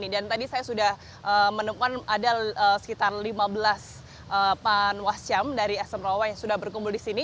dan tadi saya sudah menemukan ada sekitar lima belas panwas kecamatan asam lawa yang sudah berkumpul di sini